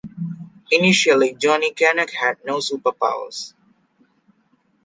Initially, Johnny Canuck had no superpowers.